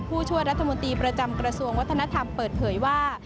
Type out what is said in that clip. ผู้ช่วยรัฐมนตรีประจำกระทรวงวัฒนธรรมเปิดเผยว่า